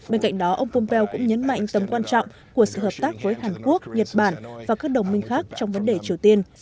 bên cạnh đó ông pompeo cũng nhấn mạnh tầm quan trọng của sự hợp tác với hàn quốc nhật bản và các đồng minh khác trong vấn đề triều tiên